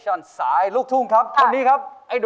ช่วยฝังดินหรือกว่า